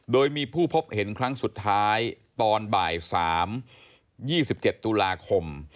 โดยมีผู้พบเห็นครั้งสุดท้ายตอนบ่าย๓๒๗ตุลาคม